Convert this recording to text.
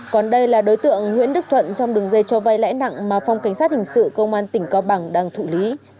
còn đây là đối tượng nguyễn đức thuận trong đường dây cho vay lãi nặng mà phòng cảnh sát hình sự công an tỉnh cao bằng đang thụ lý